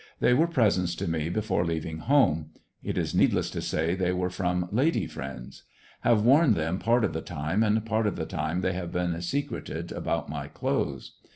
They were presents to me before leaving home; it is needless to say they were from lady friends. Have worn them part of the time and part of the time they have been secreted about my clothes.